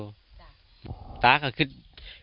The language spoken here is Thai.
ก็คิดว่าก็คิดว่า